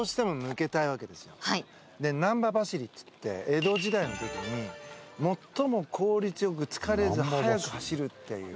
ナンバ走りっていって江戸時代の時に最も効率良く疲れず速く走るっていう。